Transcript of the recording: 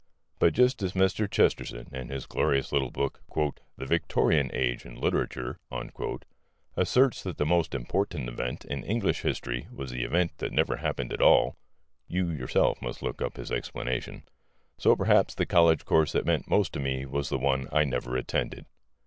But just as Mr. Chesterton, in his glorious little book, "The Victorian Age in Literature," asserts that the most important event in English history was the event that never happened at all (you yourself may look up his explanation) so perhaps the college course that meant most to me was the one I never attended.